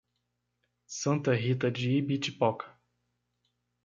Santa Rita de Ibitipoca